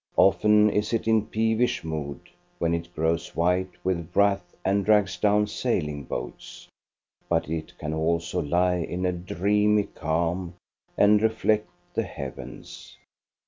Often is it in peevish mood, when it grows white with wrath and drags down sailing boats ; but it can also lie in a dreamy calm and reflect the heavens.